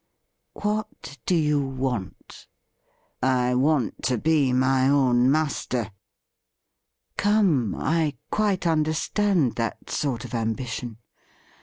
' What do you want ?'' I want to be my own master.' ' Come, I quite understand that sort of ambition.